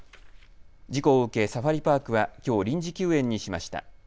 事故を受けサファリパークはきょう、臨時休園にしました。